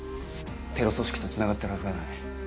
テロ組織とつながってるはずがない。